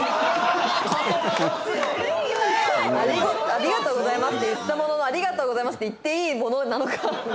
「ありがとうございます」って言ったものの「ありがとうございます」って言っていいものなのか。